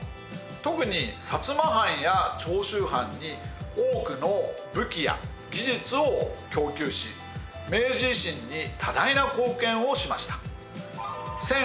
特に薩摩藩や長州藩に多くの武器や技術を供給し明治維新に多大な貢献をしました。